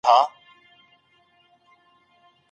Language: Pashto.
جګړه د انسانانو هیلې او ارمانونه په اوبو لاهو کوي.